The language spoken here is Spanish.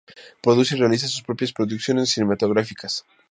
Produce y realiza sus propias producciones cinematográficas.